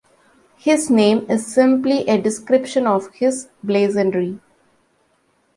His name is simply a description of his blazonry.